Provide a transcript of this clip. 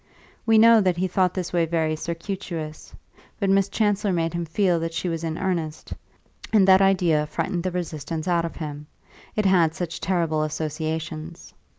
We know that he thought this way very circuitous; but Miss Chancellor made him feel that she was in earnest, and that idea frightened the resistance out of him it had such terrible associations.